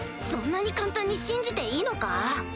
そんなに簡単に信じていいのか？